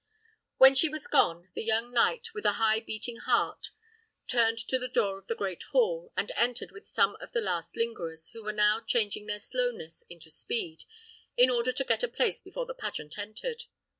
When she was gone, the young knight, with a high beating heart, turned to the door of the great hall, and entered with some of the last lingerers, who were now changing their slowness into speed, in order to get a place before the pageant entered.